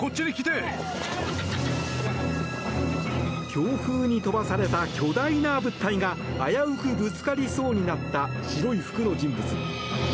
強風に飛ばされた巨大な物体が危うくぶつかりそうになった白い服の人物。